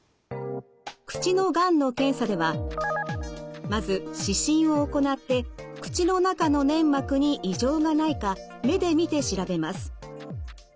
口のがんの検査ではまず視診を行って口の中の粘膜に異常がないか目で見て調べます。